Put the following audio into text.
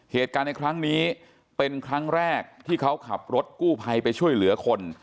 เหตุการณ์ในครั้งนี้เป็นครั้งแรกที่เขาขับรถกู้ภัยไปช่วยเหลือคน